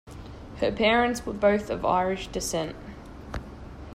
Her parents were both of Irish descent.